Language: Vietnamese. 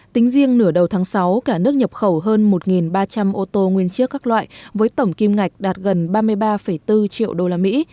tính riêng nửa đầu tháng sáu cả nước nhập khẩu hơn một ba trăm linh ô tô nguyên chiếc các loại với tổng kim ngạch đạt gần ba mươi ba bốn triệu đô la mỹ